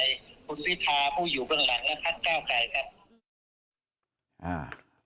คุณวิทาผู้อยู่ข้างหลังนะครับเก้าข่ายครับ